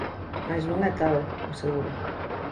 Mais non é tal, asegura.